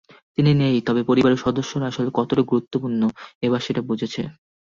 তিনি নেই, তবে পরিবারের সদস্যরা আসলে কতটা গুরুত্বপূর্ণ, এবার সেটা বুঝেছি।